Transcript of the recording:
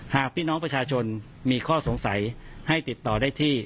หากพี่น้องประชาชนมีข้อสงสัยให้ติดต่อได้ที่